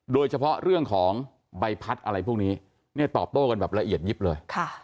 โดยเฉพาะเรื่องของใบพัดอะไรพวกนี้เนี่ยตอบโต้กันแบบละเอียดยิบเลย